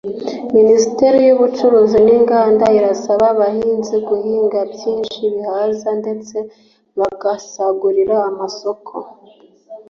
Minisiteri y’ubucuruzi n’inganda irasaba abahinzi guhinga byinshi bihaza ndetse bagasagurira amasoko